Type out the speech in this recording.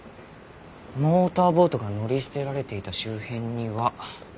モーターボートが乗り捨てられていた周辺には。